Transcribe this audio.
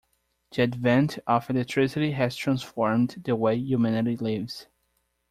The advent of electricity has transformed the way humanity lives.